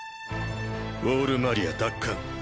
ウォール・マリア奪還。